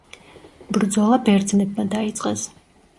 ბრძოლა ბერძნებმა დაიწყეს.